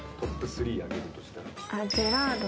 スリー挙げるとしたら？